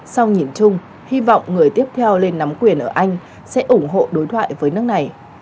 sau nhìn chung hy vọng người tiếp theo lên nắm quyền ở anh sẽ ủng hộ đối thoại với nước này